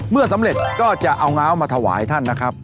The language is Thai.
สำเร็จก็จะเอาง้าวมาถวายท่านนะครับ